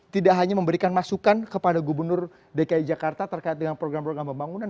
tidak hanya memberikan masukan kepada gubernur dki jakarta terkait dengan program program pembangunan